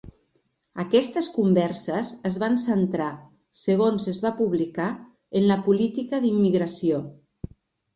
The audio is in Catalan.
Aquestes converses es van centrar, segons es va publicar, en la política d'immigració.